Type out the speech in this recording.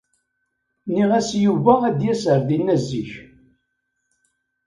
Nniɣ-as i Yuba ad d-yas ar dina zik.